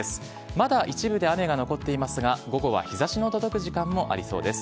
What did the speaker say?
まだ一部で雨が残っていますが午後は日差しの届く時間もありそうです。